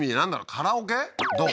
カラオケ？どう？